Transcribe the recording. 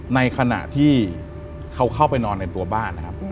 ในขณะที่เขาเข้าไปนอนในตัวบ้านนะครับ